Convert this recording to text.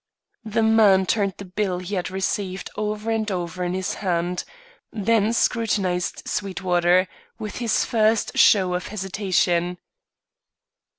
The man turned the bill he had received, over and over in his hand; then scrutinised Sweetwater, with his first show of hesitation.